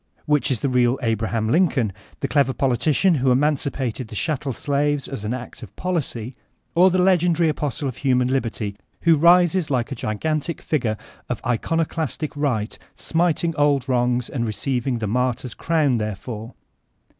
Whidi is the real Abraham Lincoln, — the clever politician who emancipated the chat tel slaves as an act of policy, or the legendary apostle of human liberty, who rises like a gigantic figure of icono clastic right smiting old wrongs and receiving the mar tyr's crown therefor